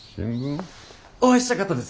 お会いしたかったです